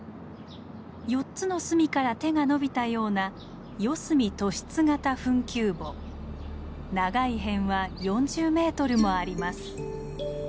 ４つの隅から手が伸びたような長い辺は４０ｍもあります。